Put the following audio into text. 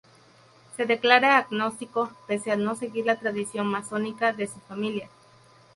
Se declara agnóstico, pese a no seguir la tradición masónica de su familia.